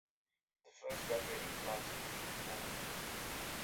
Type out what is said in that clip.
The first graduating class included four women.